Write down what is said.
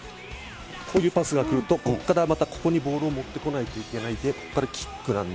こういうパスがくると、ここからまたここにボールを持ってこないといけないんで、ここからキックなんで。